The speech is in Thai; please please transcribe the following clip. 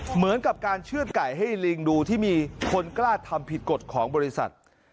เหมือนกับการเชื่อดไก่ให้ลิงดูที่มีคนกล้าทำผิดกฎของบริษัท